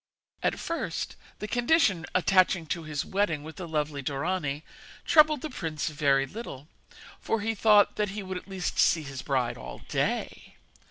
At first, the condition attaching to his wedding with the lovely Dorani troubled the prince very little, for he thought that he would at least see his bride all day.